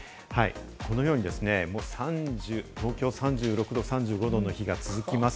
このように東京は３６度、３６度、３５度と続きます。